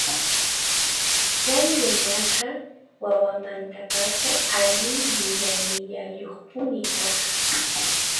Chay runaqa wawamantapacha allin yuyaynillayuqpuni kaq.